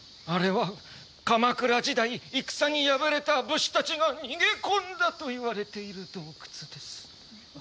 あれは鎌倉時代戦に敗れた武士たちが逃げ込んだといわれている洞窟です。